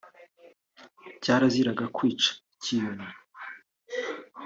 Cyaraziraga kwica icyiyoni